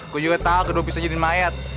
gue juga tahu kedua bisa jadiin mayat